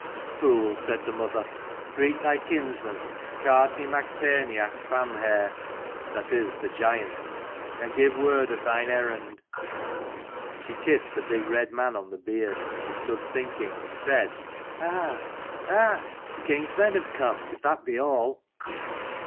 "Fool," said the mother. "Greet thy kinsman Gartnaidh mac Tairneach Famhair (that is, the giant) and give word of thine errand." She kissed the big red man on the beard, and stood thinking : and said "Ah, the king's men have come, if that be all."